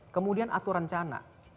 kemudian atur rencana